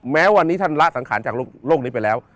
แม้วันนี้ท่านละสังขารจากโลกนี้ไปแล้ว